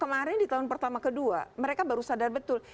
kemarin di tahun pertama kedua mereka baru sadar betul